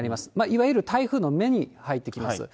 いわゆる台風の目に入ってきます。